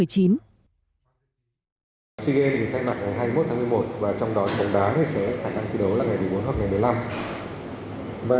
sea games thì thay mặt ở hai mươi một tháng một mươi một